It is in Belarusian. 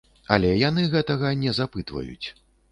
Але яны гэтага не запытваюць.